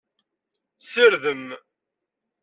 Sirdem!